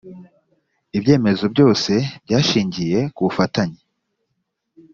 ibyemezo byose byashingiye kubufutanye.